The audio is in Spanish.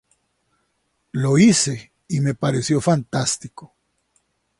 Lo hice y me pareció fantástico.